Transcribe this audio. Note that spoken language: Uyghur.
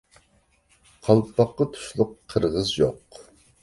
قالپاققا تۇشلۇق قىرغىز يوق.